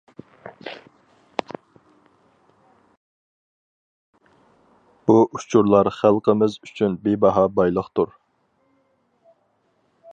بۇ ئۇچۇرلار خەلقىمىز ئۈچۈن بىباھا بايلىقتۇر.